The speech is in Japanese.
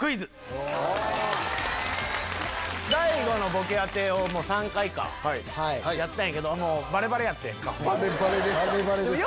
「大悟のボケ当て」を３回かやったんやけどもうバレバレやったやんか。